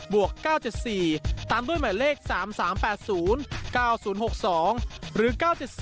บวก๙๗๔ตามด้วยหมายเลข๓๓๘๐๙๐๖๒หรือ๙๗๔๕๕๕๗๘๗๖๐